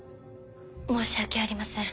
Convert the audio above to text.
申し訳ありません